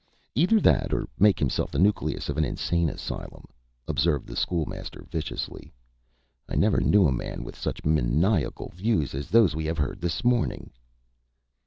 "Either that or make himself the nucleus of an insane asylum," observed the School Master, viciously. "I never knew a man with such maniacal views as those we have heard this morning."